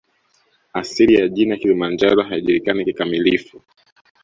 Asili ya jina Kilimanjaro haijulikani kikamilifu